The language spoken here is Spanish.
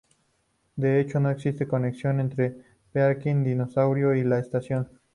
De hecho, no existe conexión entre el parking disuasorio y la estación.